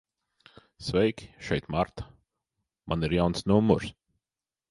Sveiki, šeit Marta. Man ir jauns numurs.